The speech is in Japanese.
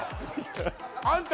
あんた